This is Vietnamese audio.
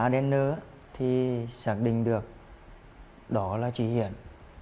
đó là trí hiển